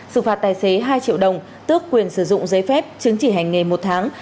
sự phạt tài xế hai triệu đồng tước quyền sử dụng giấy phép chứng chỉ hành ngày một tháng